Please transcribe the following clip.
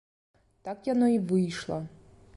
Так яно й выйшла.